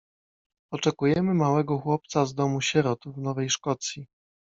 Oczekujemy małego chłopca z Domu Sierot, w Nowej Szkocji.